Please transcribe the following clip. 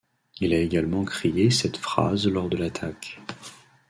Il a également crié cette phrase lors de l'attaque.